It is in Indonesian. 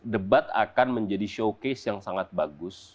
debat akan menjadi showcase yang sangat bagus